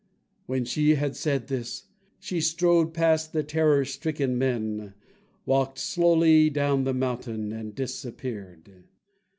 When she had said this, she strode past the terror stricken men, walked slowly down the mountain, and disappeared.